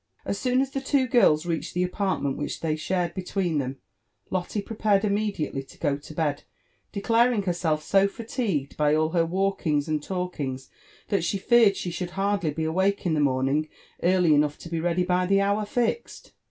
As soon as the two girls reached the apartment which they shared between them, Lotte prepared immediately to go to bed, declaring herself so fatigued by all her walkings and lalkings, that she feared she should hardly be awake in the morning early enough to be ready bv the hour fixed.